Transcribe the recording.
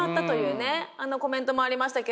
あのコメントもありましたけれども。